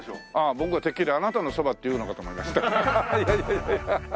僕はてっきりあなたのそばって言うのかと思いました。